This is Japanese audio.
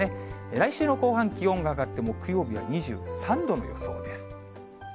来週の後半、気温が上がって、木曜日は２３度の予想です。